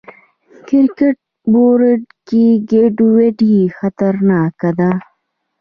کرکټ بورډ کې ګډوډي خطرناکه ده.